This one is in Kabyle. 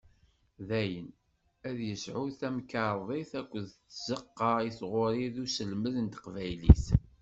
Daɣen, ad yesɛu tamkarḍit akked tzeqqa i tɣuri d uselmed n teqbaylit.